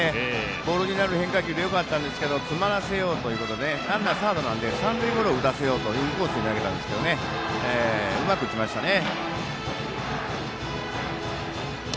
ボールになる変化球でよかったんですが詰まらせようということでランナー、サードなので三塁ゴロを打たせようとインコースに投げたんですけどうまく打ちましたね。